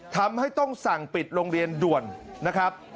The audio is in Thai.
ทำให้ต้องสั่งปิดโรงเรียนด่วนนะครับ